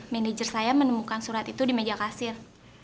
manager saya menemukan surat itu di meja kasir